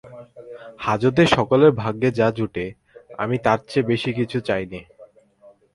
হাজতে সকলের ভাগ্যে যা জোটে আমি তার চেয়ে কিছু বেশি চাই নে।